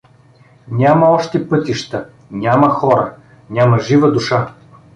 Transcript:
Няма още пътища, няма хора, няма жива душа.